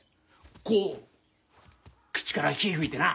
こう口から火ぃ吹いてな。